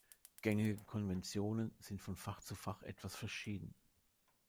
Gängige Konventionen sind von Fach zu Fach etwas verschieden.